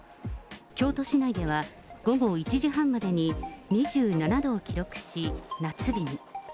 京都市内では、午後１時半までに２７度を記録し、夏日に。